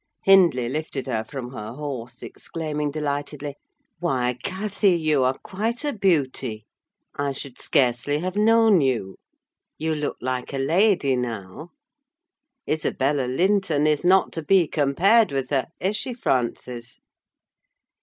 Hindley lifted her from her horse, exclaiming delightedly, "Why, Cathy, you are quite a beauty! I should scarcely have known you: you look like a lady now. Isabella Linton is not to be compared with her, is she, Frances?"